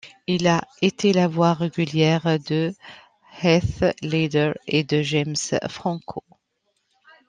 Il a été la voix régulière de Heath Ledger et de James Franco.